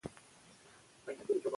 د پښتو ژبې کلتور زموږ د روح ښکلا ده.